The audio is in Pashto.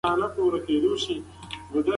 که اصلاح نه وي، ستونزې زیاتېږي.